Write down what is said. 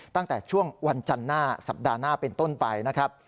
ตั้งแต่ช่วงวันจันทร์หน้าสัปดาห์หน้าเป็นต้นไปนะครับ